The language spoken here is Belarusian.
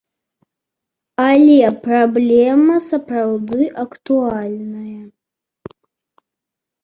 Але праблема сапраўды актуальная.